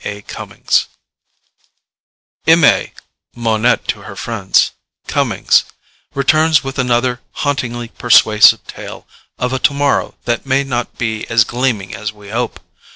A. Cummings (Monette to her friends) returns with another hauntingly persuasive story of a Tomorrow that may not be as gleaming as we hope.